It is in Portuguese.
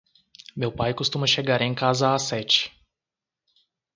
Meu pai costuma chegar em casa às sete.